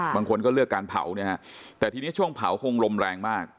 บางคนก็เลือกการเผาเนี่ยฮะแต่ทีนี้ช่วงเผาคงลมแรงมาก